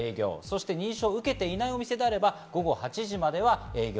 認証を受けていないお店であれば午後８時までは営業。